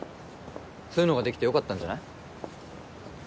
そういうのが出来て良かったんじゃない？